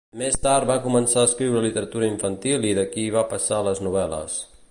Més tard va començar a escriure literatura infantil i d'aquí va passar a les novel·les.